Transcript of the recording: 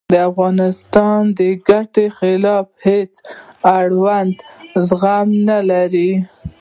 د افغانستان د ګټو خلاف هېڅ د آورېدلو زغم نه لرم